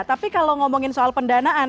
tapi kalau ngomongin soal pendanaan